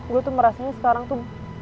gue tuh ngerasanya sekarang tuh